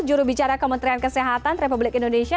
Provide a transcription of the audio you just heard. juru bicara kementerian kesehatan republik indonesia